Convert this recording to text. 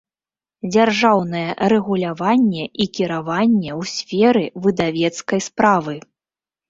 ДЗЯРЖАЎНАЕ РЭГУЛЯВАННЕ I КIРАВАННЕ Ў СФЕРЫ ВЫДАВЕЦКАЙ СПРАВЫ